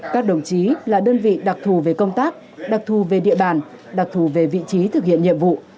các đồng chí là đơn vị đặc thù về công tác đặc thù về địa bàn đặc thù về vị trí thực hiện nhiệm vụ